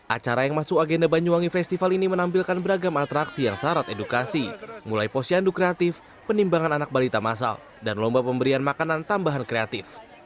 acara yang masuk agenda banyuwangi festival ini menampilkan beragam atraksi yang syarat edukasi mulai posyandu kreatif penimbangan anak balita masal dan lomba pemberian makanan tambahan kreatif